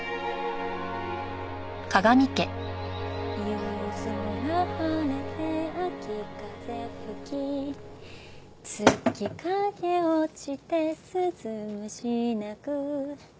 「夕空晴れて秋風吹き」「月影落ちて鈴虫鳴く」